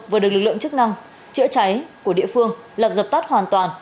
vừa được lực lượng chức năng chữa cháy của địa phương lập dập tắt hoàn toàn